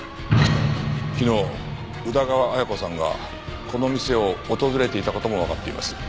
昨日宇田川綾子さんがこの店を訪れていた事もわかっています。